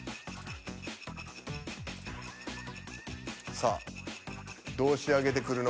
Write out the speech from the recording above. さあどう仕上げてくるのか。